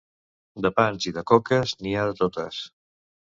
De pans i de coques, n'hi ha de totes.